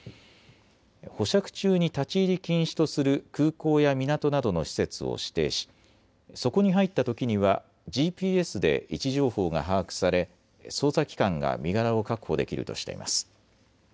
保釈中に立ち入り禁止とする空港や港などの施設を指定しそこに入ったときにはＧＰＳで位置情報が把握され捜査機関が身柄を確保できるとしています。